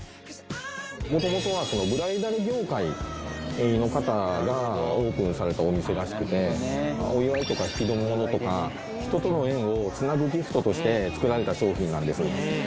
元々はブライダル業界の方がオープンされたお店らしくてお祝いとか引き出物とか人との縁をつなぐギフトとして作られた商品なんです